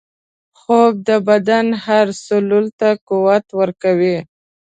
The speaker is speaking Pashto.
خوب د بدن هر سلول ته قوت ورکوي